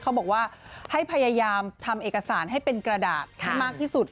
เขาบอกว่าให้พยายามทำเอกสารให้เป็นกระดาษให้มากที่สุด